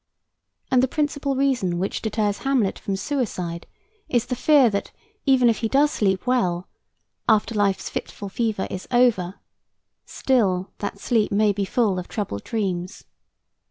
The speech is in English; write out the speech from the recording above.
And the principal reason which deters Hamlet from suicide is the fear that even if he does sleep well "after life's fitful fever is over," still, that sleep may be full of troubled dreams.